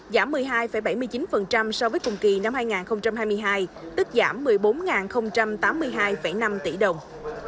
giảm một mươi hai bảy mươi chín so với cùng kỳ năm hai nghìn hai mươi hai tức giảm một mươi bốn tám mươi hai năm tỷ đồng